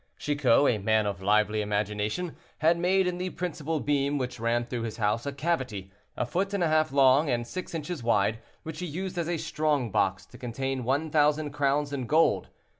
Chicot, a man of lively imagination, had made in the principal beam which ran through his house a cavity, a foot and a half long and six inches wide, which he used as a strong box, to contain 1,000 crowns in gold.